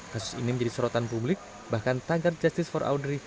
kasus ini menjadi sorotan publik bahkan tagar justice for audrey